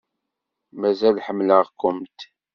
Mazal ḥemmleɣ-kumt.